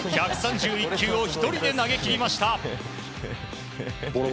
１３１球を１人で投げ切りました。